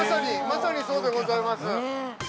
まさにそうでございます。